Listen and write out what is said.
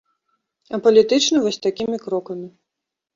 А палітычны вось такімі крокамі.